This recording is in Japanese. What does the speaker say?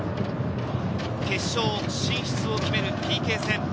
決勝進出を決めるＰＫ戦。